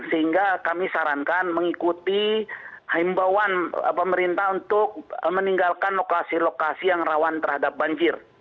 sehingga kami sarankan mengikuti himbauan pemerintah untuk meninggalkan lokasi lokasi yang rawan terhadap banjir